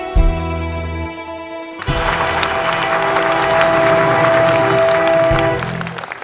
ครับ